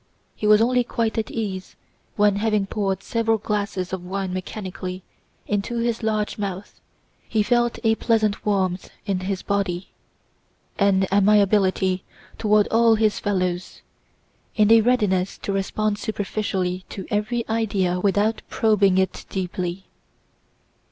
He was only quite at ease when having poured several glasses of wine mechanically into his large mouth he felt a pleasant warmth in his body, an amiability toward all his fellows, and a readiness to respond superficially to every idea without probing it deeply.